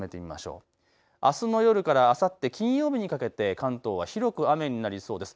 あすの夜からあさって金曜日にかけて関東は広く雨になりそうです。